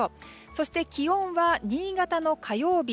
そして、気温は新潟の火曜日